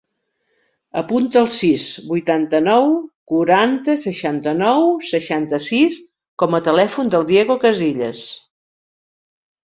Apunta el sis, vuitanta-nou, quaranta, seixanta-nou, seixanta-sis com a telèfon del Diego Casillas.